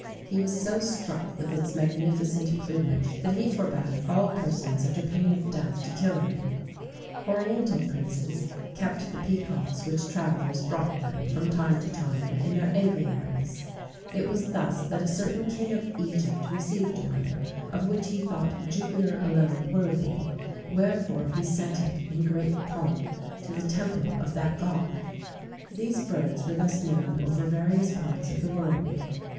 He was so struck with its magnificent plumage that he forbad all persons, under pain of death, to kill any.[XVII 115] Oriental princes kept the peacocks which travellers brought them, from time to time, in their aviaries.[XVII 116] It was thus[XVII 117] that a certain king of Egypt received one, of which he thought Jupiter alone worthy; wherefore he sent it in great pomp to the temple of that god.[XVII 118] These birds were thus known over various parts of the world.